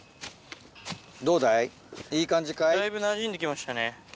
だいぶなじんできましたね。